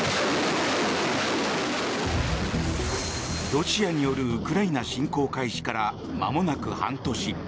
ロシアによるウクライナ侵攻開始からまもなく半年。